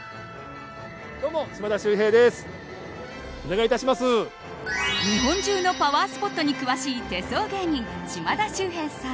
日本中のパワースポットに詳しい手相芸人・島田秀平さん。